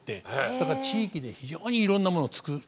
だから地域で非常にいろんなものをつくってね。